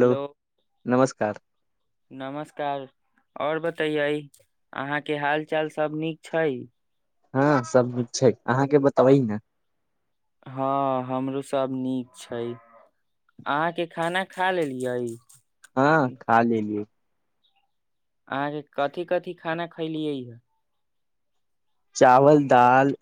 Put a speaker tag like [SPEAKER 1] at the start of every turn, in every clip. [SPEAKER 1] hello
[SPEAKER 2] नमस्कार
[SPEAKER 1] नमस्कार आओर बता े य अहााँ के हाल चाल सब नीक छै
[SPEAKER 2] हँ सब छै अहाँके बताबह ने
[SPEAKER 1] हँ हमरो सब नीक छै अहाँके खाना खा लेलियै
[SPEAKER 2] हँ खा लेल लिय
[SPEAKER 1] अहाँके कथिी कथिी खाना खैलियै यए
[SPEAKER 2] चावल दाल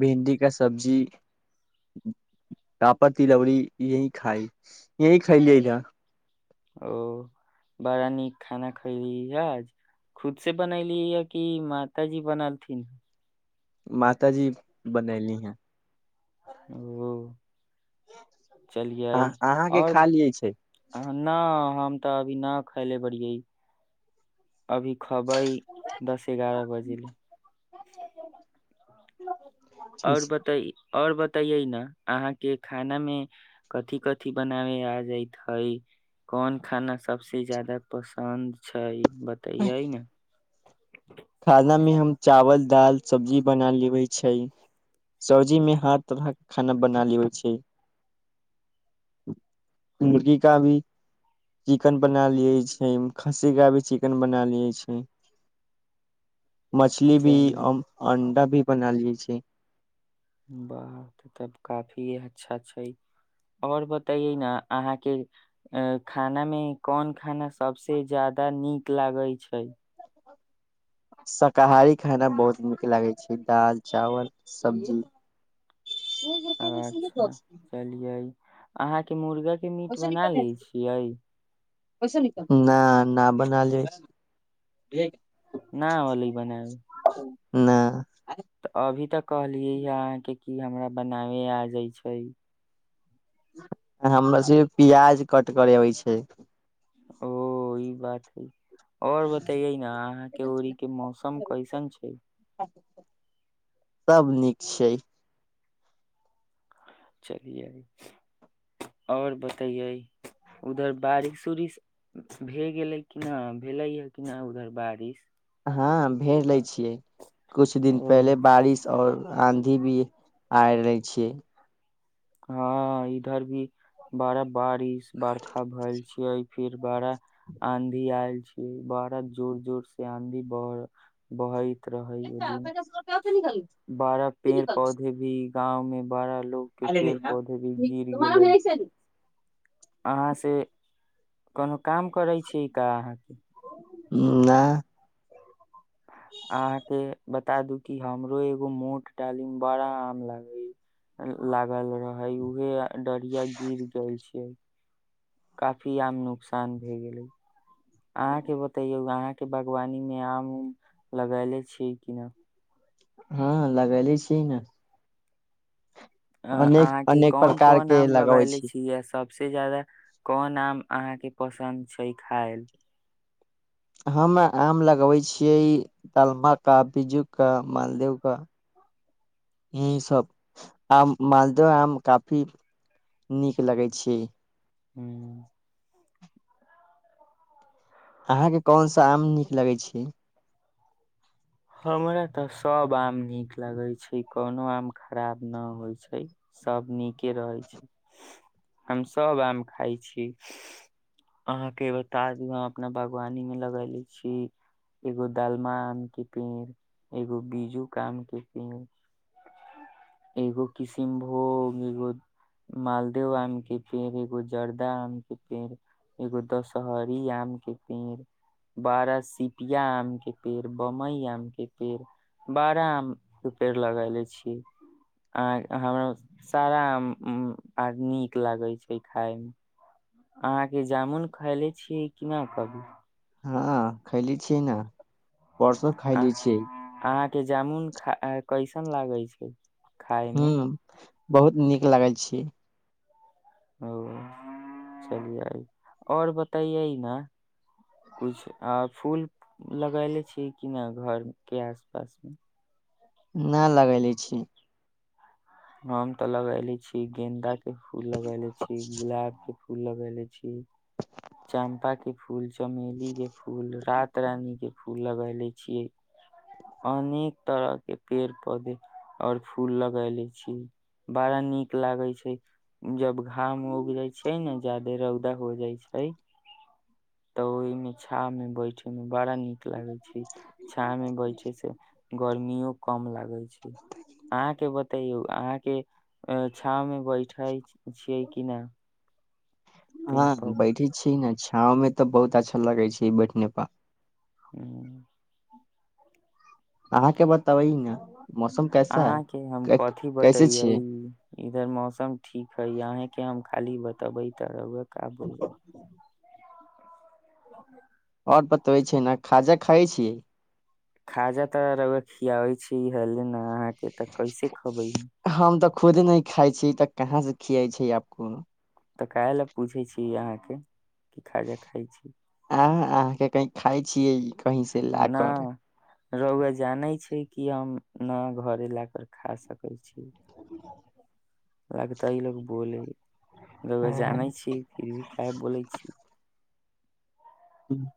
[SPEAKER 2] भिंडी का सब्जी पापड़ तिलौरीी यही खाइ यही खइ लिय इहा
[SPEAKER 1] ओ बड़ा नीक खाना खैली आज खुद से बनैली या कि माताजी बनलथिन
[SPEAKER 2] मात जी बनैेली है
[SPEAKER 1] ओ चलियै
[SPEAKER 2] अ अहाँके
[SPEAKER 1] आओर
[SPEAKER 2] खा लिये छै
[SPEAKER 1] न हम तऽ अभी नहि खायले बड़ै अभी खबै दस एगारह बजेले
[SPEAKER 2] ठीक
[SPEAKER 1] आओर
[SPEAKER 2] छै
[SPEAKER 1] बताइ और बताये न अहा के खाना में कथिी कथिी बनावे आ जायत हे कोन खाना सबस जदा पसन्द छै बतै आइ ने ह
[SPEAKER 2] खाना मे हम चावल दाल सब्जी बना लेबै छै सब्जी मे हर तरह के खाना बना लेबै छै मुर्गी का भी चिकन बना लिय छै खस्सी का भी चिकन बना लियै छै मछली भी
[SPEAKER 1] चलू
[SPEAKER 2] अंडा भी बना लियै छै
[SPEAKER 1] बाह तब काफी अच्छा छै आओर बतये ने अहाँके खाना मे कोन खाना सबस ज्यादा नीक लागै छै
[SPEAKER 2] शाकाहारी खाना बहुत नीक लागै छै दालि चावल सब्जी
[SPEAKER 1] अच्छा चलियै अहाँ मर्ग के मीट बना लै छियै
[SPEAKER 2] क न न न बनल
[SPEAKER 1] न ओलै बनब
[SPEAKER 2] नहि
[SPEAKER 1] कहलियै ह अहाँके कि हमरा बनाबै आ जाइ छै
[SPEAKER 2] हमरा सि प्याज कट करेबइ छै
[SPEAKER 1] ओ ई बात हइ और बतैये ने अहााँ के उड़ी के मौसम कैसन छै
[SPEAKER 2] सब नीक छै
[SPEAKER 1] चलिये ओर बतैये उधर बारिश उारिश भए गेलै किना भेलै ह किना उधर बारिश
[SPEAKER 2] हँ भेर लै छियै कुछ दिन
[SPEAKER 1] ओ
[SPEAKER 2] पहिले बारिश आओर आँधी भी आ रहे छियै
[SPEAKER 1] हँ इधर भी बड़ा बारिश बरखा भेलए छै फिर बारा आँधी आल बारा जोर जोर से आँधी ब बह रहै ओदिन बारह पेड़ पौधे भी गाँंव में बड़ा लो
[SPEAKER 2] अल नहि ह तरा भल
[SPEAKER 1] अहाँसँ कोनो काम करै छी अहाँके
[SPEAKER 2] नहि
[SPEAKER 1] अहा के बता दू क हमरो एगो मोट डाली मे बड़ा आम लागे लागल रहे उहे डढ़िया गिर गेल छै काफी आम नुकसान भए गेलै अहाँके बतैयौ अहाँके बागवानीमे आम उम लगैले छियै कि न
[SPEAKER 2] हँ लगेले छिय ने
[SPEAKER 1] अ
[SPEAKER 2] अनेक
[SPEAKER 1] अहाँके
[SPEAKER 2] अनेक
[SPEAKER 1] कोन
[SPEAKER 2] प्रकार
[SPEAKER 1] कोन
[SPEAKER 2] के
[SPEAKER 1] आम
[SPEAKER 2] लगबै
[SPEAKER 1] लगले
[SPEAKER 2] छी
[SPEAKER 1] छीिय य सब सबसँ ज्यादा कोन आम अहाँके पसन्द छै खायल
[SPEAKER 2] हम आम लगबै छियै के बिज्जू के मालदे के इ सब आ मालदे आम काफी नीक लगै छै
[SPEAKER 1] ह्म
[SPEAKER 2] अहाँके कोन सा आम नीक लगै छै
[SPEAKER 1] हमरा तऽ सब आम नीक लागे छै कोनो आम खराब न होइ छै सब नीक के रहै छै हम सब आम खााय छी अहाँके एो ताज अपना बागवानी मे लगले छी एगो दालमा आम क ड़ एगो बीजुक आम के पेड़ एगो किशनभोग एगो मालदेव आम के पेड़ एगो जर्दा आम के पेड़ एगो दशहरी आम के पेड़ बारह सिपिया आम के पेड़ मई आम के पेड़ बारह आम पेड़ लग ले छी अह हमरा सारा नीक लागै छै खााय मे अहाँके जामुन खयले छीयै क न कभी
[SPEAKER 2] हँ खैली छियै ने वर्ष खइ
[SPEAKER 1] आ
[SPEAKER 2] ल छी
[SPEAKER 1] अहाँ के जामुन खा कैसन लागे छै खाय
[SPEAKER 2] हँ
[SPEAKER 1] मे
[SPEAKER 2] बहुत नीक लागल छी
[SPEAKER 1] ओ चलि जाइ आओर बताइए ने किछ आप फूल लगले छी कि न घर के आस पास मे
[SPEAKER 2] न लगले छिय
[SPEAKER 1] हम तऽ लगले छी गेंन्दा फूल लगेले छी गुलाब के फू फूल लग ले छी च्पा की फूल छै चमेली के फूल रात रानी के फूल फूल लगाय ले छीियै अनेक तरह के पेड़ पौधे और फूल लगाय ले छीिय बड़ा नीक लागे छै जब घाम उग जाय छै ने जा्यदे रौदा हो जाय छै ह तऽ ओहिमे छा मे बैठे मे बड़ा नीक लागे छै छाव में बैठे से गर्मियो कम लागे छै अहाँ के बतैयौ अहाँ के छा में बैठे छियै कि ने
[SPEAKER 2] हँ बैठे छीय ने गाँंव मे तऽ बहुत अच्छा लगै छै बैठनेपा
[SPEAKER 1] ह
[SPEAKER 2] अहाँके बता अबै ने मौसम कैसा है
[SPEAKER 1] अहााँ के हम
[SPEAKER 2] कै-
[SPEAKER 1] कथिी
[SPEAKER 2] कैसे
[SPEAKER 1] बतेये
[SPEAKER 2] छियै
[SPEAKER 1] इधर मौसम ठीक है अहे के हम खाली बतेबै त रह काबुल
[SPEAKER 2] आओर बतबै छै ने खाजा खाइ छियै
[SPEAKER 1] खाजा तऽ रग खिया होइ छै हल न तऽ कैसे खबै
[SPEAKER 2] हम तऽ खुदे नहिी खाइ छी तऽ कहाँ से खियै छै आपको
[SPEAKER 1] तऽ कहय लेलए पूछै छी अहाँके कि खाजा खाइ छी
[SPEAKER 2] आ अहाँके कही खााय छियै कहीं से ला
[SPEAKER 1] न
[SPEAKER 2] कर
[SPEAKER 1] रहुआ जानै छै की हम न घरे ल कर खा सकै छी लगतै ई लोको बोलैए जानै छी फिर भी खाय बोलै छी
[SPEAKER 2] ह्म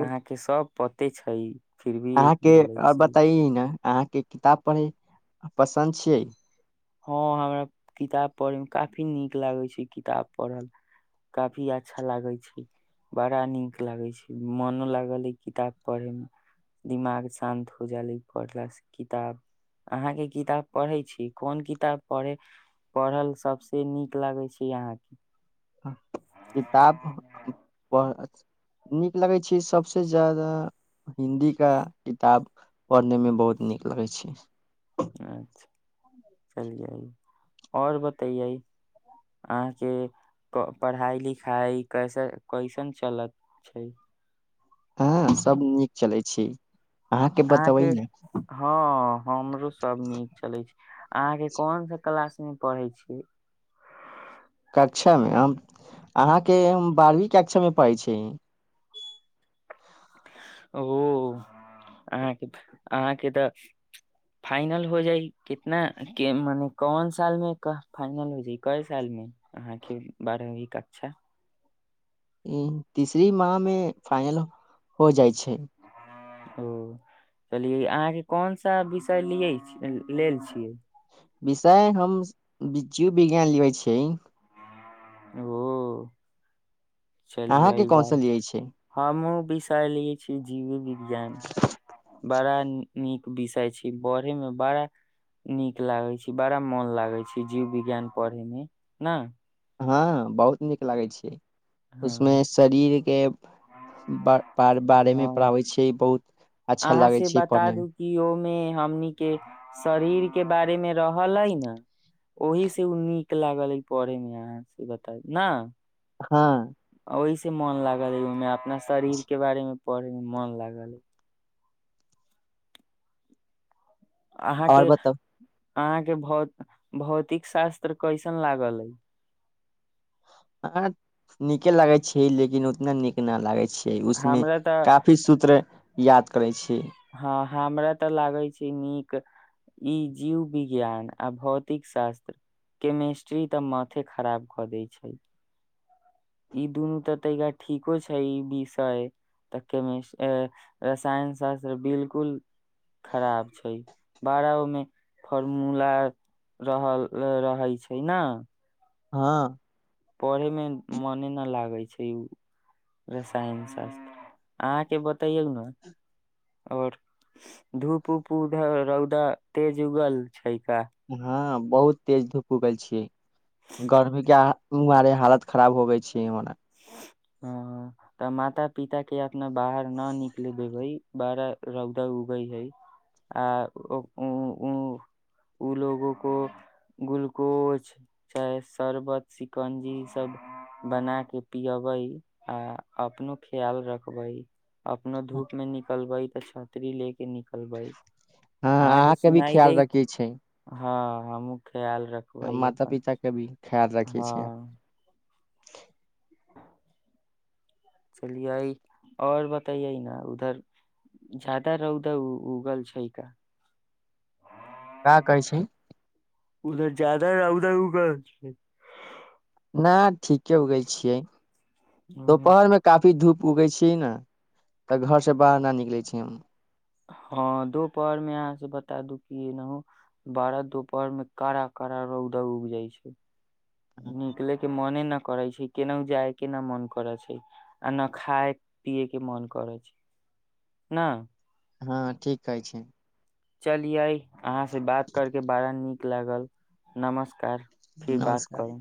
[SPEAKER 1] अहाँके सब प कते छै फिर भी
[SPEAKER 2] अहाँके
[SPEAKER 1] बोलै
[SPEAKER 2] आओर
[SPEAKER 1] छी
[SPEAKER 2] बताइ ने अहाँके किताब पढ़े पसन्द छियै
[SPEAKER 1] हँ हमरा किताब पढ़े मे काफी नीक लागैत छै किताब पढ़ल काफी अच्छा लागैत छै बड़ा नीक लागैत छै मोनो लागल किताब पढ़े मे दिमाग शान्त हो जे पढ़ला से किताब अहाँके किताब पढ़ै छी कोन किताब पढ़े पढ़ल सबस नीक लागै छै अहाँके
[SPEAKER 2] किताब पढ़ नीक लगैत छै सभसँ जादा हिन्दीकेा किताब पढ़नेमे बहुत नीक लगैत छै
[SPEAKER 1] चलियै आओर बतैयै अहाँके क पढ़ाइ लिखाइ कैसे कैसन चलत छै
[SPEAKER 2] हँ सब नीक चलै छै अहाँके
[SPEAKER 1] अहके
[SPEAKER 2] बतबै ने
[SPEAKER 1] हँ हमरो सब नीक चलै छै अहाँके कोन सा क्लास पढ़ै छियै
[SPEAKER 2] कक्षामे हम अहाँके हम बारहवीं कक्षामे पढ़ै छी
[SPEAKER 1] ओ अहाँके अहाँके तऽ फाइनल हो जाइ कितना के मने कोन साल मे फाइनल हो जाय कए साल मे अहाँके बारेमे भी कक्षा
[SPEAKER 2] ह तीसरी माह मे फाइनल हो जाइ छै ठीक
[SPEAKER 1] ओ चले अहाँके कोन सा विषय लिय लेल छियै
[SPEAKER 2] विषय हम जीव विज्ञान लेबै छ
[SPEAKER 1] ओ चलियै
[SPEAKER 2] अहाँके
[SPEAKER 1] एहि
[SPEAKER 2] कोन सा
[SPEAKER 1] बार
[SPEAKER 2] लियै छै
[SPEAKER 1] हमहुँ विषय लिय छीिय जीवी विज्ञान बड़ा नीक विषय छै पढ़े मे बड़ा नीक लागै छै बड़ा मन लागै छै जीव विज्ञान पढ़े मे ने
[SPEAKER 2] हँ बहुत नीक लागै छै उसमे
[SPEAKER 1] हँ
[SPEAKER 2] शरीर के बारेमे
[SPEAKER 1] हँ
[SPEAKER 2] पढ़ाबै छियै बहुत अच्छा
[SPEAKER 1] अहाँ
[SPEAKER 2] लागै
[SPEAKER 1] से
[SPEAKER 2] छै
[SPEAKER 1] बता
[SPEAKER 2] पढ़ने मे
[SPEAKER 1] दू कि ओमे हमन के शरीर के बारे मे रहल अइ ने ओहि से ओ नीक लागल पढ़े मे अहाँ से बताउ ने
[SPEAKER 2] हँ
[SPEAKER 1] ओहिसँ मोन लागल है ओहिमे अपना शरीर के बारे मे पढ़ेमे मन लागल
[SPEAKER 2] आओर
[SPEAKER 1] अहाँके
[SPEAKER 2] बताउ
[SPEAKER 1] अहाँके भौ भौतिक शास्त्र कैसन लागल अइ
[SPEAKER 2] अहाँ नीके लागे छै लेकिन उतना नीक न लागे छी उसमे
[SPEAKER 1] हमरा तऽ
[SPEAKER 2] काफी सूत्र याद करै छी
[SPEAKER 1] हँ हमरा तऽ लागै छै नीक ई जीव विज्ञान आ भौतिक शास्त्र केमेिस्ट्री तऽ माथे खराब कऽ दै छै ई दुनू तऽ ता ठीको छै ई विषय तऽ के रसायन शास्त्र बिलकुल खराब छै बारह ओमे फॉर्मूला रहल रहैत छै ने
[SPEAKER 2] हँ
[SPEAKER 1] पढ़े मे मने न लागे छै उ रसायन शास्त्र अहाँके बतैयौ ने और धूप उप उध रौदा तेज उगल छै का
[SPEAKER 2] हँ बहुत तेज धूप उगल छी गर्मी केारे हालत खराब होगई छै मने
[SPEAKER 1] ह तऽ माता पिता के अपना बाहर न निकल देबै बड़ा रौदा उगै हइ आ उ ओ लोगो को ग्लूकोज चाहे शर्बत शिकंजी ई सब बना के पियबै आ अपनो ख्याल रखबै अपनो धूप मे निकलबैत छत्री ले के निकलबै
[SPEAKER 2] हँ
[SPEAKER 1] अहाँके
[SPEAKER 2] अहाँके भी
[SPEAKER 1] सुनाई
[SPEAKER 2] ख्याल
[SPEAKER 1] देत
[SPEAKER 2] रखे छै
[SPEAKER 1] हँ हमूँ खयाल रखबै अपन
[SPEAKER 2] खयाल राखि
[SPEAKER 1] हँ
[SPEAKER 2] छीय
[SPEAKER 1] चलि आओर बताइ न उधर जदाा रहौदा उगल छै का
[SPEAKER 2] का कहै छी
[SPEAKER 1] उधर जादा उधर उ कर
[SPEAKER 2] ना ठीके उगै छियै दुपहर में काफी धूप उगै छी ने तऽ घर से बाहर न निकलै छी हम
[SPEAKER 1] दुखी बारह दुपहर मे कड़ा कारा रौद उग जाइ छै निकले के मोने न करै छै केनाहु जाय के नहि मन करै छै आ नहि खाय पिये के मन करै छै ने
[SPEAKER 2] हँ ठीक कहै छै
[SPEAKER 1] चलियइ अहाँ से बात करके बारा नीक लागल नमस्कार फिर बात
[SPEAKER 2] नमस्कार
[SPEAKER 1] करू